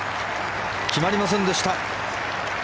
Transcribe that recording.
決まりませんでした。